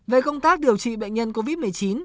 về công tác điều trị bệnh nhân covid một mươi chín